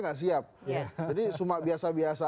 nggak siap iya jadi sumak biasa biasa